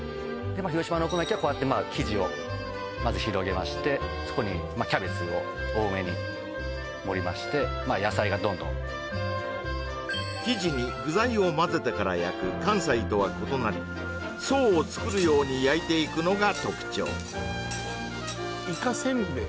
広島のお好み焼きはこうやって生地をまず広げましてそこにキャベツを多めに盛りまして野菜がどんどん生地に具材を混ぜてから焼く関西とは異なり層を作るように焼いていくのが特徴イカせんべい